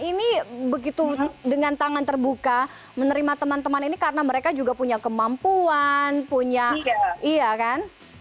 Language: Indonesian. ini begitu dengan tangan terbuka menerima teman teman ini karena mereka juga punya kemampuan punya iya kan